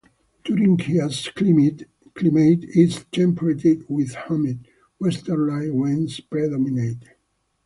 Thuringia's climate is temperate with humid westerly winds predominate.